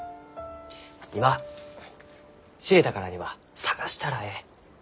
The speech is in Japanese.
今知れたからには探したらえい。